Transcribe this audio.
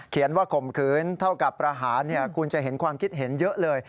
ว่าข่มขืนเท่ากับประหารคุณจะเห็นความคิดเห็นเยอะเลย